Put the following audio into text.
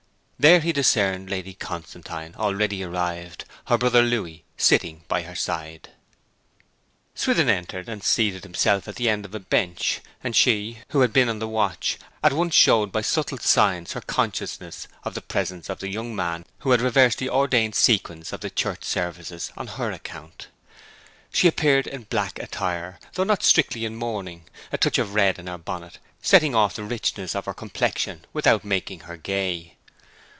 There he discerned Lady Constantine already arrived, her brother Louis sitting by her side. Swithin entered and seated himself at the end of a bench, and she, who had been on the watch, at once showed by subtle signs her consciousness of the presence of the young man who had reversed the ordained sequence of the Church services on her account. She appeared in black attire, though not strictly in mourning, a touch of red in her bonnet setting off the richness of her complexion without making her gay.